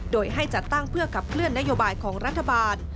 โดยให้จัดตั้งเพื่อขับเคลื่อนนโยบายของรัฐบาล